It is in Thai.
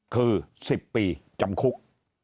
คือ๑๐ปีจำคุก